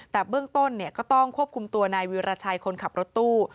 แต่เบื้องต้นก็ต้องควบคุมตัวนายวิราชัยคนขับรถตู้